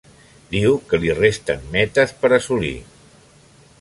Diu que li resten metes per assolir.